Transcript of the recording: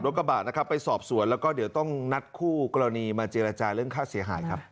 คนขับรถกระบาดไปสอบสวนแล้วก็นัดคู่กรณีมาเจรจายเรื่องค่าเสียหายครับ